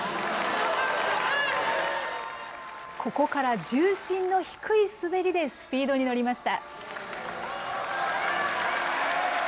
ここから重心の低い滑りでスピードに乗りました。